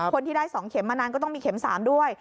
คนที่ได้๒เข็มมานานก็ต้องมีเข็ม๓ด้วย